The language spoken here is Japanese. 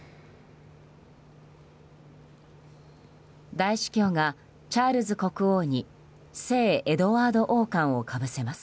大司教がチャールズ国王に聖エドワード王冠をかぶせます。